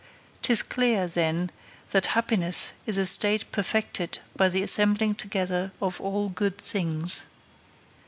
'Tis clear, then, that happiness is a state perfected by the assembling together of all good things.